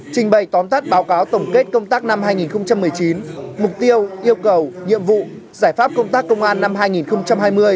trình bày tóm tắt báo cáo tổng kết công tác năm hai nghìn một mươi chín mục tiêu yêu cầu nhiệm vụ giải pháp công tác công an năm hai nghìn hai mươi